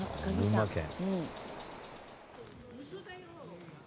群馬県。